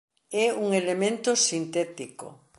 É un elemento sintético.